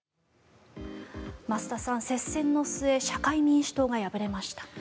増田さん、接戦の末社会民主党が敗れました。